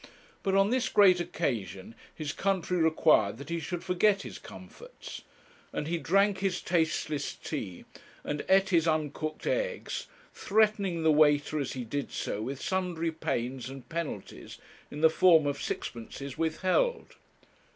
But on this great occasion his country required that he should forget his comforts; and he drank his tasteless tea, and ate his uncooked eggs, threatening the waiter as he did so with sundry pains and penalties, in the form of sixpences withheld.